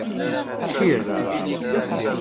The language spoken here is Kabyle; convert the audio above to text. Cir.